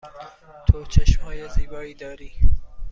تو چشم های زیبایی داری.